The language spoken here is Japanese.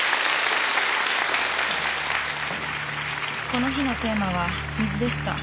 この日のテーマは「水」でした。